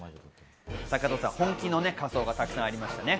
本気の仮装がたくさんありましたね。